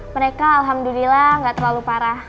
mereka alhamdulillah nggak terlalu parah